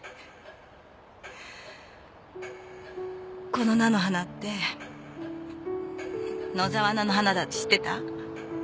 この菜の花って野沢菜の花だって知ってた？